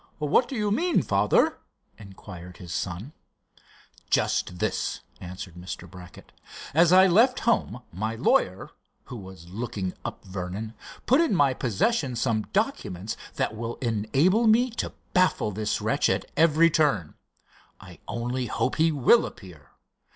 "What do you mean, father?" inquired his son. "Just this," answered Mr. Brackett, "as I left home my lawyer, who was looking up Vernon, put in my possession some documents that will enable me to baffle this wretch at every turn. I only hope he will appear.